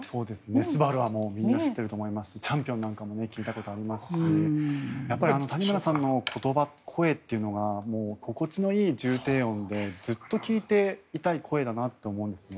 「昴−すばるー」はもうみんな知っていると思いますし「チャンピオン」なんかも聴いたことありますしやはり谷村さんの言葉、声というのが心地のいい重低音でずっと聴いていたい声だなと思うんですよね。